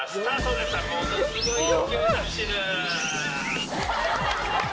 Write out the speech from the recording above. ものすごい勢いで走る！